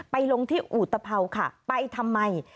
ไปลงที่อูตเผาค่ะไปทำไม